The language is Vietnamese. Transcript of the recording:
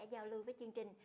giao lưu với chương trình